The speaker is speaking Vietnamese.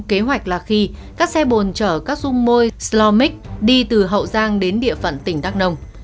kế hoạch là khi các xe bồn chở các dung môi slomex đi từ hậu giang đến địa phận tỉnh đắk nông